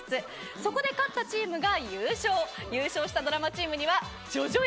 そこで勝ったチームが優勝優勝したドラマチームには叙々苑